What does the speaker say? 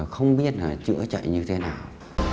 không biết là chữa chạy như thế nào